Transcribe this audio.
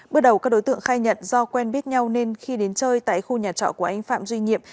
bước đầu các đối tượng khai nhận do quen biết nhau nên khi đến chơi tại khu nhà trọ của anh phạm duy nhiệm